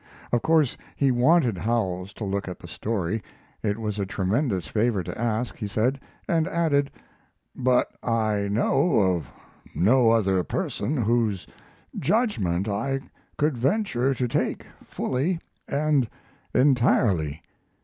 Of course he wanted Howells to look at the story. It was a tremendous favor to ask, he said, and added, "But I know of no other person whose judgment I could venture to take, fully and entirely.